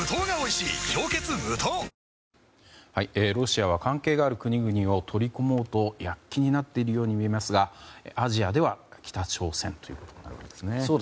あロシアは関係がある国々を取り込もうと躍起になっているように見えますがアジアでは北朝鮮ということなわけですね。